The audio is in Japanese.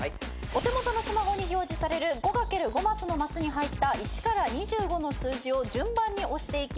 お手元のスマホに表示される５×５マスのマスに入った１から２５の数字を順番に押していき